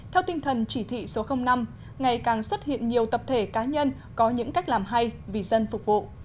theo tinh thần chỉ thị số năm ngày càng xuất hiện nhiều tập thể cá nhân có những cách làm hay vì dân phục vụ